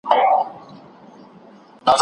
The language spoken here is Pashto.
بنسټ باید استثماري بڼه ونه لري.